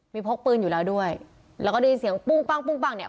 มีพกปืนอยู่แล้วด้วยแล้วก็ได้ยินเสียงปุ้งปั้งปุ้งปั้งเนี่ย